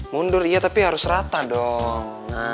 mundur iya tapi harus rata dong